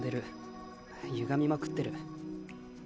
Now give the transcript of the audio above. ゆがみまくってる。